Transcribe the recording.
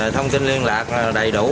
thông tin liên lạc đầy đủ